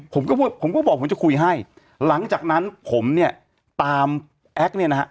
ผมก็ผมก็บอกผมจะคุยให้หลังจากนั้นผมเนี่ยตามแอคเนี่ยนะฮะ